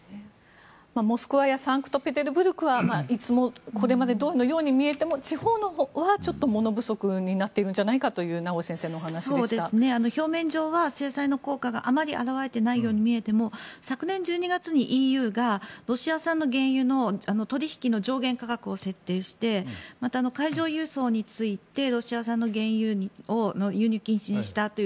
モスクワやサンクトペテルブルクはこれまでどおりのように見えても地方はちょっと物不足になっているんじゃないかという表面上は制裁の効果があまり表れてないように見えても昨年１２月にＥＵがロシア産の原油の取引の上限価格を設定してまた、海上輸送についてロシア産の原油を輸入禁止にしたという。